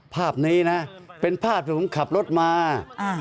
ภาพนี้นะเป็นภาพที่ผมขับรถมาอ่า